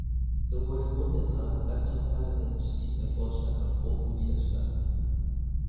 Sowohl im Bundesrat als auch im Parlament stiess der Vorschlag auf grossen Widerstand.